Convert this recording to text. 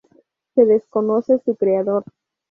Se desconoce su creador.